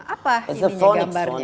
apa ini gambarnya